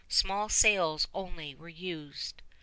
Small sails only were used.